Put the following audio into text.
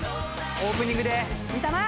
オープニングで聴いたな！